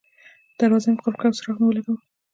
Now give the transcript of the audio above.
دروازه مې قلف کړه او څراغ مې ولګاوه.